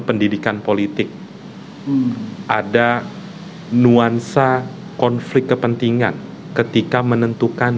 pendidikan politik ada nuansa konflik kepentingan ketika menentukan